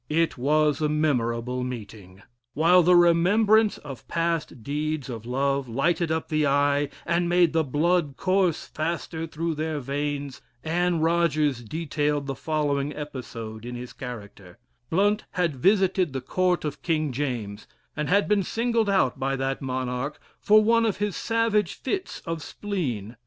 It was a memorable meeting. While the remembrance of past deeds of love lighted up the eye and made the blood course faster through their veins, Anne Rogers detailed the following episode in his character: Blount had visited the Court of King James, and had been singled out by that monarch for one of his savage fits of spleen.